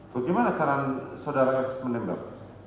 bagaimana cara sodara fs menembak